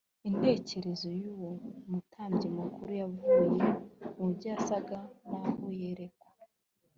intekerezo z’uwo mutambyi mukuru zavuye mu byo yasaga n’aho yerekwa